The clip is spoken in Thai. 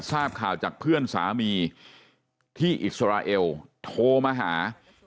ทราบข่าวจากเพื่อนสามีที่อิสราเอลโทรมาหา